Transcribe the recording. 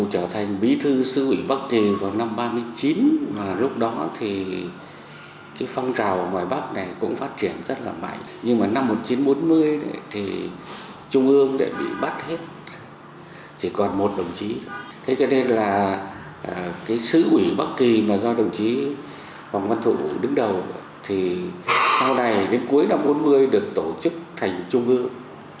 hoàng văn thụ đứng đầu sau này đến cuối năm bốn mươi được tổ chức thành trung ương